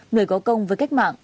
người có công với cách mạng